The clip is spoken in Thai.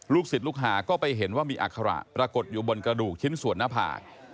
ศิษย์ลูกหาก็ไปเห็นว่ามีอัคระปรากฏอยู่บนกระดูกชิ้นส่วนหน้าผาก